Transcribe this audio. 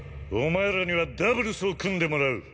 お前らにはダブルスを組んでもらう！